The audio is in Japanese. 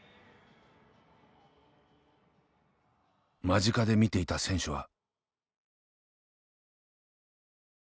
間近で見ていた選手は。